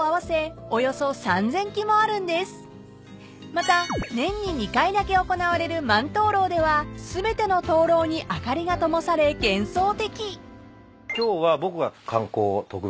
［また年に２回だけ行われる万燈籠では全ての灯籠に明かりが灯され幻想的］